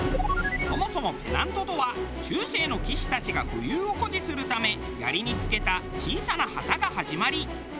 そもそもペナントとは中世の騎士たちが武勇を誇示するため槍に付けた小さな旗が始まり。